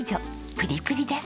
プリプリです。